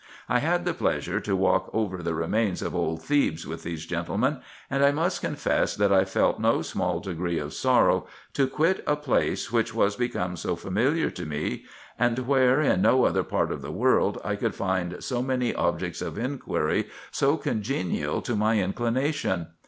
I had the pleasure to walk over the remains of old Thebes with these gentlemen, and I must confess, that I felt no small degree of sorrow to quit a place which IN EGYPT, NUBIA, &c. 373 was become so familiar to me, and where, in no other part of the world, I could find so many objects of inquiry so congenial to my inclination.